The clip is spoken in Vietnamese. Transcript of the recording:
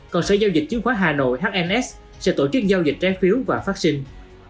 còn sở giao dịch chứng khoán hà nội hns sẽ tổ chức giao dịch trái phiếu và phát sinh